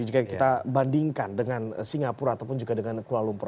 jika kita bandingkan dengan singapura ataupun juga dengan kuala lumpur